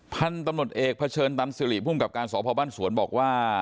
พันธุ์ตำรวจเอกเผชิญตันสิริภูมิกับการสพบ้านสวนบอกว่า